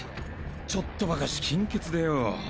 ちょっとばかし金欠でよう。